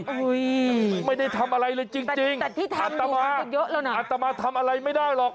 อุ้ยไม่ได้ทำอะไรเลยจริงอัตตามาอัตตามาทำอะไรไม่ได้หรอก